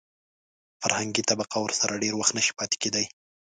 فرهنګي طبقه ورسره ډېر وخت نشي پاتې کېدای.